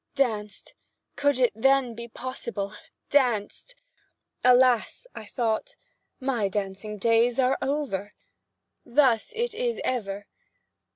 Danced! Could it then be possible? Danced! Alas, thought I, my dancing days are over! Thus it is ever.